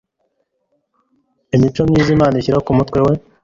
Imico myiza Imana ishyira kumutwe we